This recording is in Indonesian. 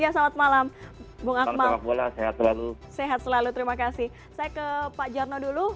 salam sepak bola saya ke pak jarno dulu